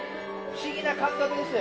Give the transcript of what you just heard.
不思議な感覚です。